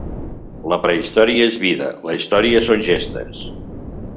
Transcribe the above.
La prehistòria és vida, la història són gestes.